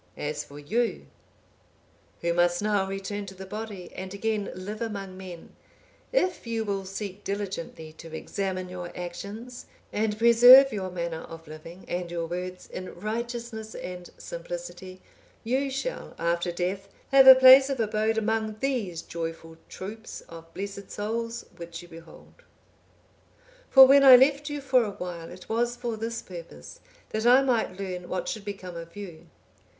As for you, who must now return to the body, and again live among men, if you will seek diligently to examine your actions, and preserve your manner of living and your words in righteousness and simplicity, you shall, after death, have a place of abode among these joyful troops of blessed souls which you behold. For when I left you for awhile, it was for this purpose, that I might learn what should become of you.